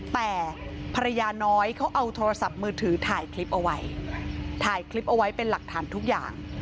แต่ภรรยาน้อยเขาเอาโทรศัพท์มือถือถ่ายคลิปเอาไว้ถ่ายคลิปเอาไว้เป็นหลักฐานทุกอย่าง